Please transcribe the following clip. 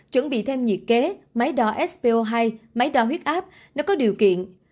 chuẩn bị thêm nhiệt kế máy đo sco hai máy đo huyết áp nếu có điều kiện